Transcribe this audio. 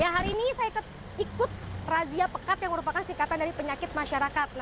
hari ini saya ikut razia pekat yang merupakan singkatan dari penyakit masyarakat